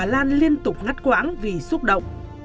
bà lan liên tục ngắt quãng vì xúc động